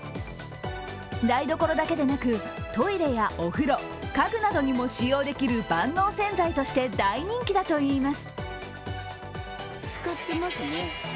台所だけでなく、トイレやお風呂、家具などにも使用できる万能洗剤として大人気だといいます。